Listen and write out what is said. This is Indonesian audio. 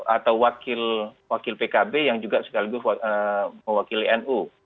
atau wakil pkb yang juga sekaligus mewakili nu